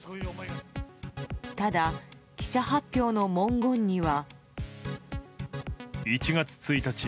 ただ、記者発表の文言には。